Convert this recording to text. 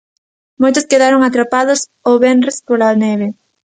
Moitos quedaron atrapados o venres pola neve.